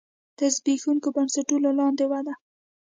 تر زبېښونکو بنسټونو لاندې وده.